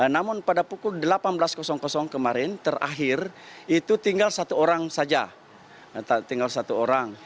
namun pada pukul delapan belas kemarin terakhir itu tinggal satu orang saja tinggal satu orang